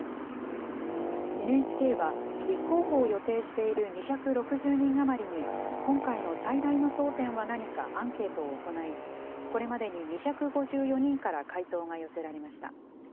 ＮＨＫは、立候補を予定している２６０人余りに、今回の最大の争点は何かアンケートを行い、これまでに２５４人から回答が寄せられました。